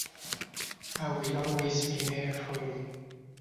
I will always be there for you.